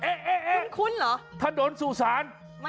เอ๊ะถนนสุสาน